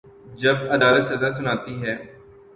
جب عدالت سزا سناتی ہے۔